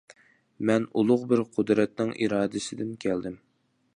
مەن ئۇلۇغ بىر قۇدرەتنىڭ ئىرادىسىدىن كەلدىم.